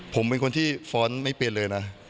ผมเป็นคนที่ฟ้อนไม่เปลี่ยนเลยนะ